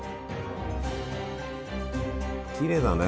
きれいだね。